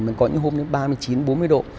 mình có những hôm đến ba mươi chín bốn mươi độ